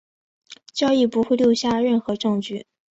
交易不会留下任何证据。